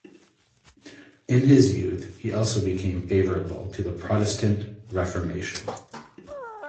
In his youth, he also became favourable to the Protestant Reformation.